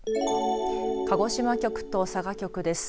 鹿児島局と佐賀局です。